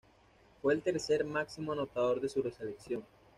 Fue el tercer máximo anotador de su selección.